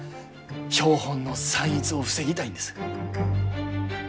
標本の散逸を防ぎたいんです。